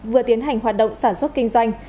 vừa tiến hành hoạt động sản xuất kinh doanh